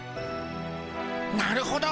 なるほど。